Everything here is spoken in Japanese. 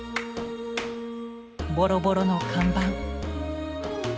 ボロボロの看板。